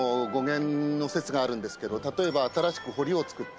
例えば新しく堀を造った。